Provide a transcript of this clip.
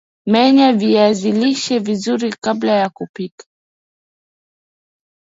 menya viazi lishe vizuri kabla ya kupika